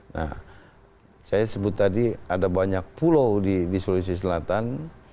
nah saya sebut tadi ada banyak pulau di sulawesi selatan